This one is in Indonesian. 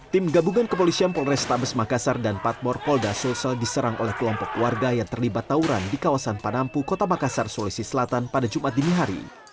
tim gabungan kepolisian polrestabes makassar dan patmor polda sulsel diserang oleh kelompok warga yang terlibat tawuran di kawasan padampu kota makassar sulawesi selatan pada jumat dinihari